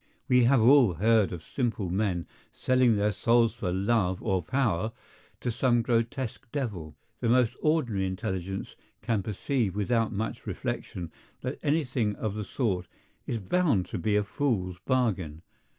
We have all heard of simple men selling their souls for love or power to some grotesque devil. The most ordinary intelligence can perceive without much reflection that anything of the sort is bound to be a fool's bargain.